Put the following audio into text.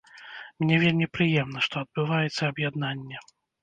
Мне вельмі прыемна, што адбываецца аб'яднанне.